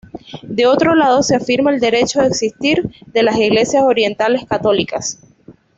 De otro lado se afirma el derecho de existir de las Iglesias orientales católicas.